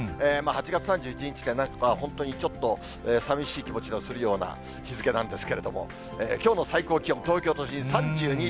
８月３１日で、なんか本当にちょっと、さみしい気持ちがするような日付なんですけれども、きょうの最高気温、東京都心３２．５度。